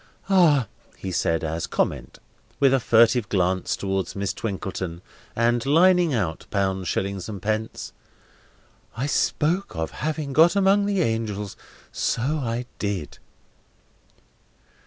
"Ah!" he said, as comment, with a furtive glance towards Miss Twinkleton, and lining out pounds, shillings, and pence: "I spoke of having got among the angels! So I did!"